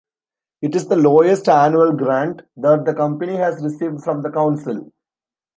It is the lowest annual grant that the company has received from the council.